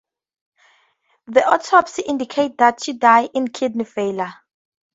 An autopsy indicated that she died of kidney failure.